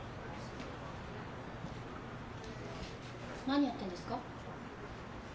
何やってんですか？